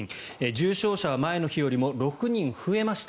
重症者は前の日よりも６人増えました。